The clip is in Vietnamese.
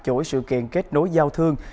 chủi sự kiện kết nối giao thương